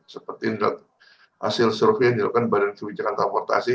seperti hasil survei yang dilakukan badan kebijakan transportasi